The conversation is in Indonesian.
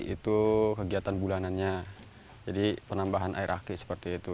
itu kegiatan bulanannya jadi penambahan air aki seperti itu